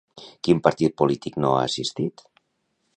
Quin partit polític no ha assistit?